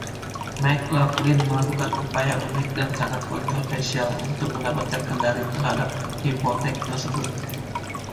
McLaughlin melakukan upaya unik dan sangat kontroversial untuk mendapatkan kendali terhadap hipotek tersebut.